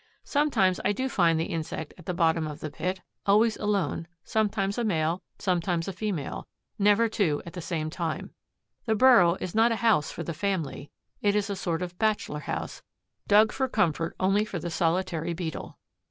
Sometimes I do find the insect at the bottom of the pit, always alone, sometimes a male, sometimes a female, never two at the same time. The burrow is not a house for the family; it is a sort of bachelor house, dug for comfort only for the solitary Beetle.